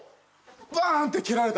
バーンって蹴られた